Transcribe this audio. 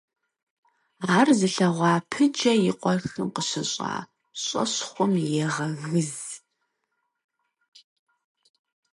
Ар зылъэгъуа Пыджэ и къуэшым къыщыщӀа щӀэщхъум егъэгыз.